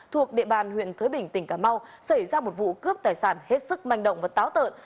thuộc địa bàn huyện thới bình tỉnh cà mau xảy ra một vụ cướp tài sản hết sức manh động và táo tợn